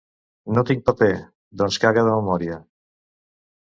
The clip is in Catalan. No tinc paper. —Doncs caga de memòria.